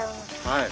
はい。